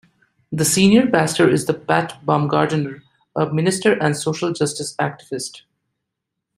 The senior pastor is the Pat Bumgardner, a minister and social justice activist.